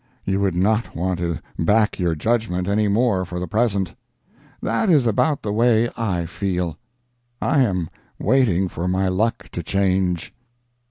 You would not want to back your judgment any more for the present. That is about the way I feel. I am waiting for my luck to change.